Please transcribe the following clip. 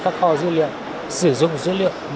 các kho dữ liệu sử dụng dữ liệu